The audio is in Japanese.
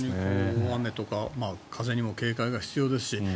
大雨とか風にも警戒が必要ですし。